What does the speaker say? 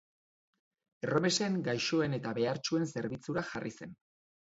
Erromesen, gaixoen eta behartsuen zerbitzura jarri zen.